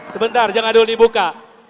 sebentar jangan dulu dibuka